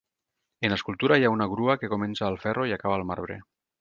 En l'escultura, hi ha una grua, que comença al ferro i acaba al marbre.